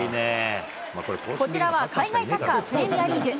こちらは、海外サッカープレミアリーグ。